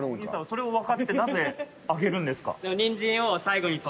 それをわかってなぜあげるんですか？